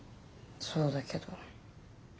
そうだけど。